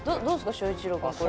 翔一郎くんこれ。